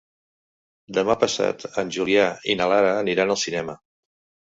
Demà passat en Julià i na Lara aniran al cinema.